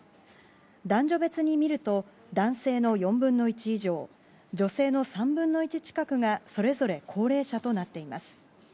男女別に見ると男性の４分の１以上女性の３分の１近くがそれぞれ高齢者となっています。